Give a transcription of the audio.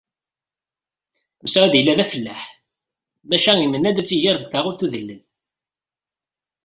Mesεud yella d afellaḥ maca imenna-d ad tt-iger deg taɣult udellel.